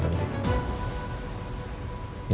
saya turun tangan nanti